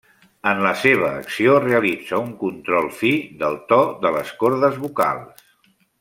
En la seva acció realitza un control fi del to de les cordes vocals.